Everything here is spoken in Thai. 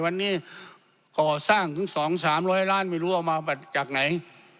วันนี้ก่อสร้างถึง๒๓๐๐ล้านไม่รู้เอามาจากไหน